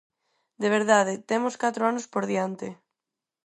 De verdade, temos catro anos por diante.